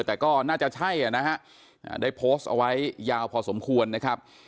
แต่ก็น่าจะใช่นะฮะได้โพสต์เอาไว้ยาวพอสมควรนะครับ